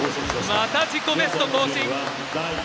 また自己ベスト更新！